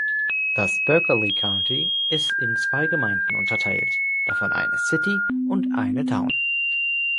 Das Berkeley County ist in zwei Gemeinden unterteilt, davon eine "City" und eine "Town".